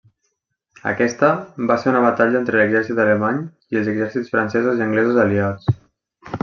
Aquesta, va ser una batalla entre l'Exèrcit Alemany i els exèrcits francesos i anglesos aliats.